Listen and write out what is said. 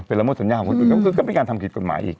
ไปละเมิดสัญญาณของเขาอีกก็เป็นการทำผิดกฎหมายอีก